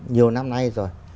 nhiều năm nay rồi